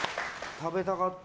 食べたかった。